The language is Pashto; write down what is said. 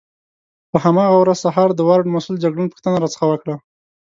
په هماغه ورځ سهار د وارډ مسؤل جګړن پوښتنه راڅخه وکړه.